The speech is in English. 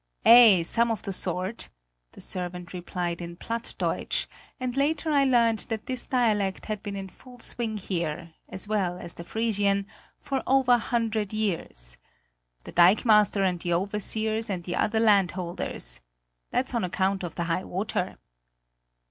"Aye, something of the sort," the servant replied in Plattdeutsch, and later I learned that this dialect had been in full swing here, as well as the Frisian, for over a hundred years; "the dikemaster and the overseers and the other landholders! That's on account of the high water!"